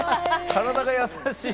体が優しい。